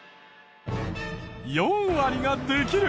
４割ができる。